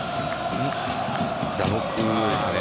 打撲ですね。